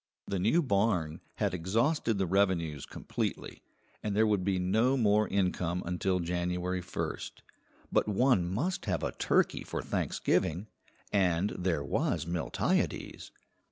The new barn had exhausted the revenues completely, and there would be no more income until January 1st; but one must have a turkey for Thanksgiving, and there was Miltiades.